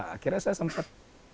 akhirnya saya sempat